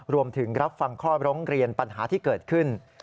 รวมถึงรับฟังข้อร้องเรียนปัญหาที่เกิดขึ้น